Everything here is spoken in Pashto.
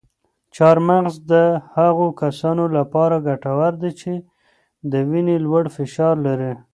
چهارمغز د هغو کسانو لپاره ګټور دي چې د وینې لوړ فشار لري.